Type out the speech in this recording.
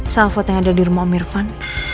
sahabat yang ada di rumah om irvan